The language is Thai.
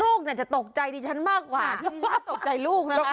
ลูกจะตกใจที่ฉันมากกว่าที่จริงจะตกใจลูกนะคะ